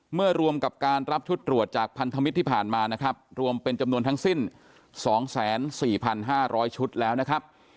รวมกับการรับชุดตรวจจากพันธมิตรที่ผ่านมานะครับรวมเป็นจำนวนทั้งสิ้น๒๔๕๐๐ชุดแล้วนะครับ